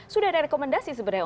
sudah ada rekomendasi sebenarnya